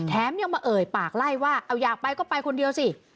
ยังมาเอ่ยปากไล่ว่าเอาอยากไปก็ไปคนเดียวสิ